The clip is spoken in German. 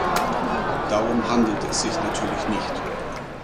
Darum handelt es sich natürlich nicht.